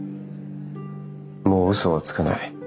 もう嘘はつかない。